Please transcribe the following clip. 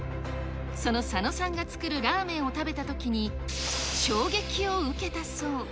その佐野さんが作るラーメンを食べたときに、衝撃を受けたそう。